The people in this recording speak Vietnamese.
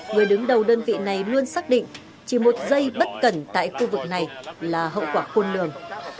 người đứng đầu đơn vị này luôn xác định chỉ một giây bất cẩn tại khu vực này là hậu quả khôn lường